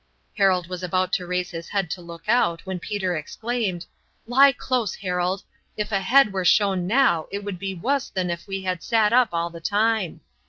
Harold was about to raise his head to look out when Peter exclaimed: "Lie close, Harold! Ef a head were shown now it would be wuss than ef we had sat up all the time.